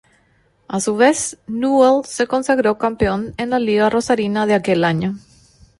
A su vez, Newell's se consagró campeón en la Liga rosarina de aquel año.